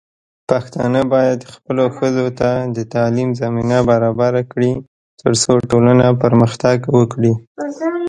پښتانه بايد خپلو ښځو ته د تعليم زمينه برابره کړي، ترڅو ټولنه پرمختګ وکړي.